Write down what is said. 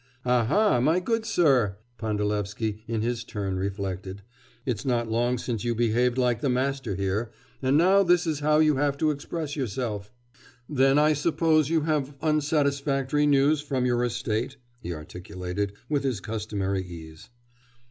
'Aha, my good sir!' Pandalevsky in his turn reflected; 'it's not long since you behaved like the master here, and now this is how you have to express yourself!' 'Then I suppose you have unsatisfactory news from your estate?' he articulated, with his customary ease.